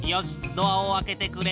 ドアを開けてくれ。